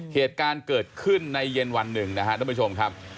เหตุการณ์เกิดขึ้นในเย็นวันหนึ่งนะครับท่านผู้ชมครับ